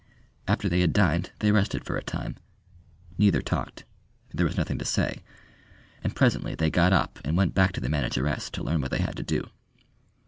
After they had dined they rested for a time. Neither talked there was nothing to say; and presently they got up and went back to the manageress to learn what they had to do.